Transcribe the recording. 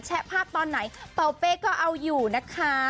แชะภาพตอนไหนปะอ๊วกเป๊ก็เอาอยู่นะคะ